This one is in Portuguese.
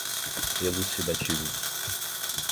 elucidativos